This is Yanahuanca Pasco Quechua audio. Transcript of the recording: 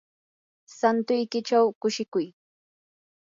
santuykichaw kushikuy.